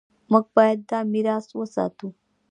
موږ باید دا میراث وساتو.